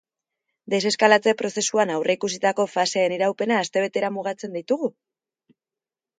Deseskalatze prozesuan aurreikusitako faseen iraupena astebetera mugatzen ditugu?